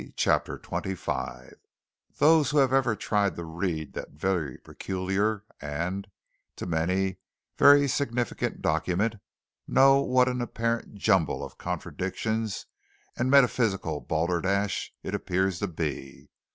CHAPTER XXV Those who have ever tried to read that very peculiar and, to many, very significant document know what an apparent jumble of contradictions and metaphysical balderdash it appears to be.